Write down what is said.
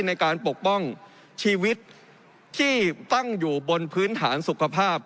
ในการปกป้องชีวิตที่ตั้งอยู่บนพื้นฐานสุขภาพ